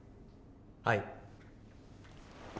はい。